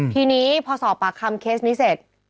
ทีนี้พอสอบปากคำเคสนี้เสร็จ